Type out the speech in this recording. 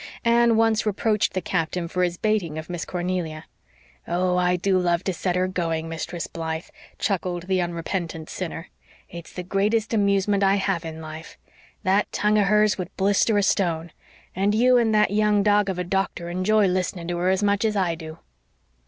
Anne once reproached the Captain for his baiting of Miss Cornelia. "Oh, I do love to set her going, Mistress Blythe," chuckled the unrepentant sinner. "It's the greatest amusement I have in life. That tongue of hers would blister a stone. And you and that young dog of a doctor enj'y listening to her as much as I do."